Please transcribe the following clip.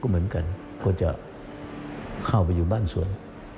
เหมือนกันก็จะเข้าไปอยู่บ้านสวน